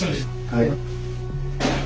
はい。